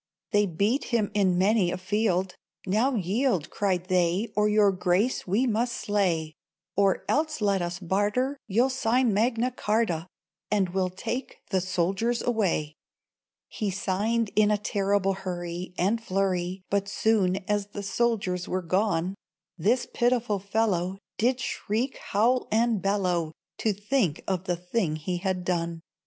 They beat him in many a field; "Now yield!" Cried they, "or Your Grace we must slay! Or else, let us barter! You'll sign Magna Charta, And we'll take the soldiers away." He signed in a terrible hurry, And flurry; But soon as the soldiers were gone, This pitiful fellow Did shriek, howl and bellow, To think of the thing he had done.